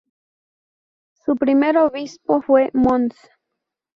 Su primer obispo fue mons.